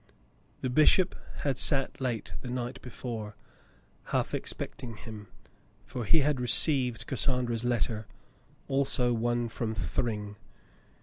The bishop had sat late the night before, half expecting him, for he had received Cassandra's letter, also one from Thryng.